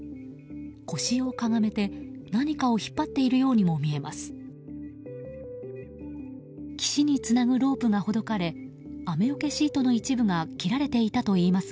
腰をかがめて何かを引っ張っているようにも見えます。